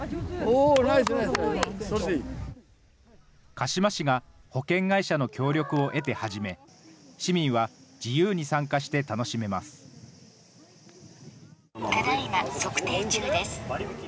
鹿嶋市が保険会社の協力を得て始め、市民は自由に参加して楽ただいま測定中です。